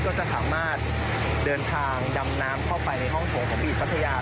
ก็จะสามารถเดินทางดำน้ำเข้าไปในห้องโถงของบีพัทยา